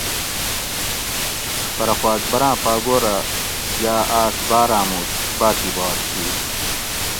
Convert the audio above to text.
پرہ خو اکبراں پاگورہ یا آس بار آمو باطیبات کیر